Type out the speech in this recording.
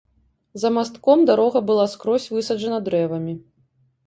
За мастком дарога была скрозь высаджана дрэвамі.